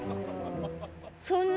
そんな。